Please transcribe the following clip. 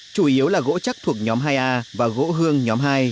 chủ yếu là gỗ chắc thuộc nhóm hai a và gỗ hương nhóm hai